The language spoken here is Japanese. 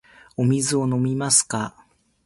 お水を飲みますか。